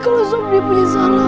kalau sobri punya salah